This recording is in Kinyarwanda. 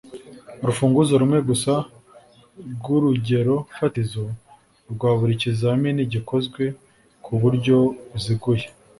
Urufunguzo rumwe gusa rw’ urugerofatizo rwa buri ikizamini gikozwe ku buryo buziguye.